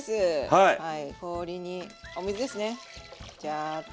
はい氷にお水ですねジャーッと。